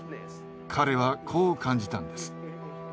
彼はこう感じたんです。